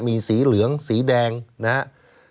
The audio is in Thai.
มีสีเหลืองสีแดงนะครับ